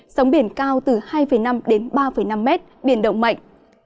sóng biển cao từ hai năm đến ba năm mét biển động mạnh